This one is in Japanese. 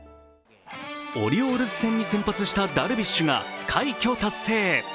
オリオールズ戦に先発したダルビッシュが快挙達成。